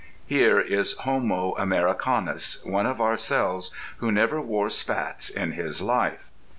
Here is homo americanus, one of ourselves, who never wore spats in his life.